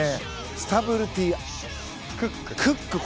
スタブルティ・クック。